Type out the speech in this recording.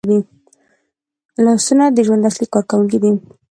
لاسونه د ژوند اصلي کارکوونکي دي